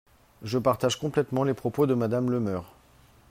Je partage complètement les propos de Madame Le Meur.